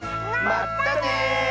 まったね！